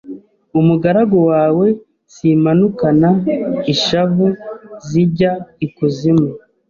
umugaragu wawe zimanukana ishavu zijya ikuzimu